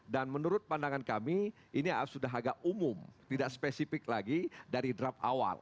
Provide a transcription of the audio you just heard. menurut pandangan kami ini sudah agak umum tidak spesifik lagi dari draft awal